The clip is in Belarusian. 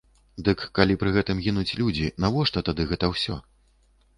Дык калі пры гэтым гінуць людзі, навошта тады гэта ўсё?